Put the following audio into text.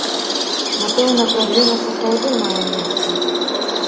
Напэўна, праблема сапраўды мае месца.